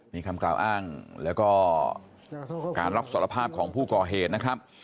นี่คำกล่าวอ้างแล้วก็การรับสารภาพของผู้ก่อเหตุนะครับ